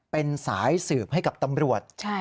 เป็นสายสืบให้กับตำรวจ